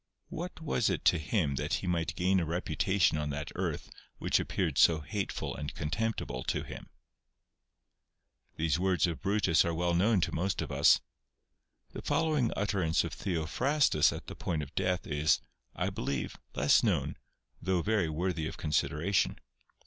What was it to him that he might gain a reputation on that earth which appeared so hateful and contemptible to him ? These words of Brutus are well known to most of us. The following utterance of Theophrastus at the point of death is, I believe, less known, though very worthy of con sideration.